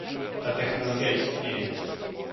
Ta technologia istnieje